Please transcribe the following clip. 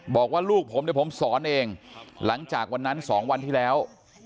บอกว่าลูกผมเนี่ยผมสอนเองหลังจากวันนั้น๒วันที่แล้ว